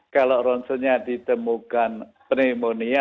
kalau ronsennya ditemukan pneumonia